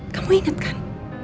kamu ingat kan